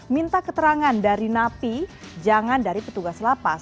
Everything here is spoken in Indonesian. minta keterangan dari napi jangan dari petugas lapas